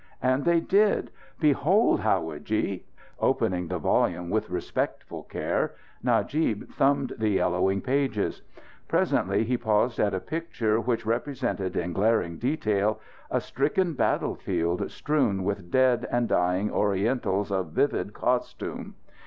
And they did. Behold, howadji!" Opening the volume with respectful care, Najib thumbed the yellowing pages. Presently he paused at a picture which represented in glaring detail a stricken battlefield strewn with dead and dying Orientals of vivid costume.